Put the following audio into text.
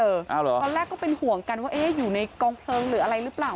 ตอนแรกก็เป็นห่วงกันว่าอยู่ในกองเพลิงหรืออะไรหรือเปล่า